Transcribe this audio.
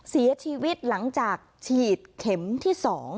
เสียชีวิตหลังจากฉีดเข็มที่๒